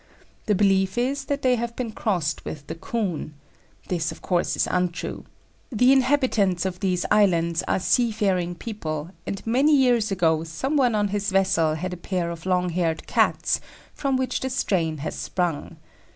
The belief is that they have been crossed with the 'Coon.' This, of course, is untrue. The inhabitants of these islands are seafaring people, and many years ago some one on his vessel had a pair of long haired Cats from which the strain has sprung.